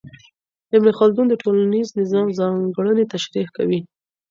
ابن خلدون د ټولنیز نظام ځانګړنې تشریح کوي.